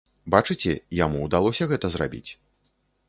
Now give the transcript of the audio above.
Бачыце, яму ўдалося гэта зрабіць.